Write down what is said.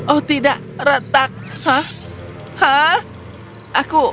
oh tidak retak